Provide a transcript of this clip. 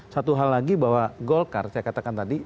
satu hal lagi bahwa golkar saya katakan tadi